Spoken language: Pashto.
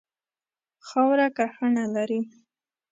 خاوره کرهڼه لري.